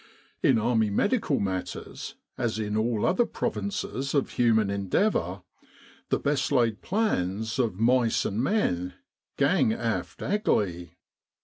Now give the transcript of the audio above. In Army medical matters, as in all other provinces of human endeavour, "the best laid plans o* mice and men gang aft agley."